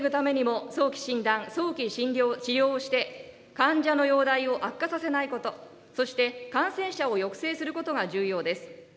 医療ひっ迫を防ぐためにも、早期診断、早期治療をして、患者の容体を悪化させないこと、そして感染者を抑制することが重要です。